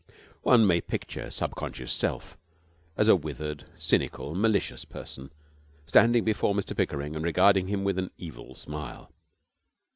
One may picture Subconscious Self as a withered, cynical, malicious person standing before Mr Pickering and regarding him with an evil smile.